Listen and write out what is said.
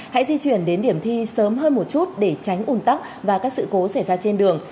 hãy di chuyển đến điểm thi sớm hơn một chút để tránh ủn tắc và các sự cố xảy ra trên đường